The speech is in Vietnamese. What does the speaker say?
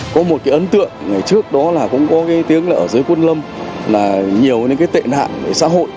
có một cái ấn tượng ngày trước đó là cũng có cái tiếng là ở giới quân lâm là nhiều những cái tệ nạn xã hội